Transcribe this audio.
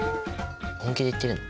本気で言ってるの？